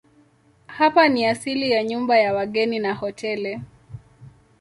Hapa ni asili ya nyumba ya wageni na hoteli.